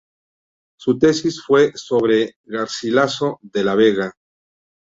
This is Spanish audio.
Su tesis fue sobre Garcilaso de la Vega.